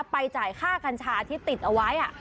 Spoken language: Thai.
ไปจ่ายค่าคัญชาของที่ติดเอาไว้